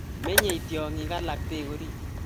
menyei tyong'ik alak beek orit